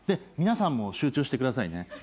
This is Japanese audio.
皆さんも集中してくださいね。